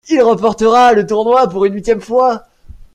Il remportera le tournoi pour une huitième fois.